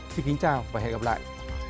xin kính chào và hẹn gặp lại